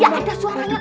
ya ada suaranya